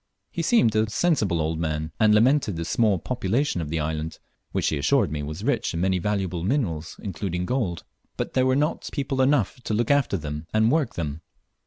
He seemed a sensible old man, and lamented the small population of the island, which he assured me was rich in many valuable minerals, including gold; but there were not people enough to look after them and work them.